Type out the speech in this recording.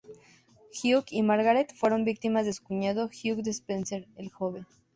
Hugh y Margaret fueron victimas de su cuñado Hugh Despenser el Joven.